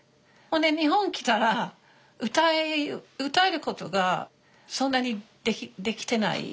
ほんで日本来たら歌えることがそんなにできてない。